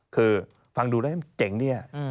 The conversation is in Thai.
คือฟังดูแล้วเจ๋งเนี่ย